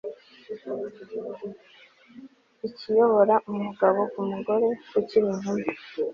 ikiyobora umugabo ku mugore ukiri inkumi